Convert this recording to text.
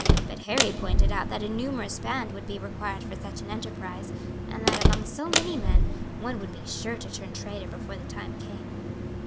But Harry pointed out that a numerous band would be required for such an enterprise, and that among so many men one would be sure to turn traitor before the time came.